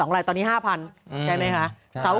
๑๒ลายตอนนี้๕๐๐๐ใช่ไหมคะ